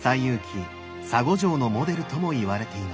沙悟浄のモデルともいわれています。